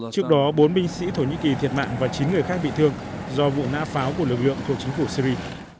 trước đó bốn binh sĩ thổ nhĩ kỳ thiệt mạng và chín người khác bị thương do vụ nã pháo của lực lượng thuộc chính phủ syri